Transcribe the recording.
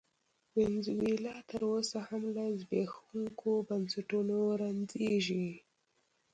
وینزویلا تر اوسه هم له زبېښونکو بنسټونو رنځېږي.